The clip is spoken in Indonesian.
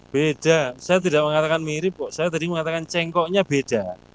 beda saya tidak mengatakan mirip kok saya tadi mengatakan cengkoknya beda